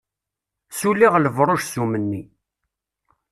Suliɣ lebruj s umenni.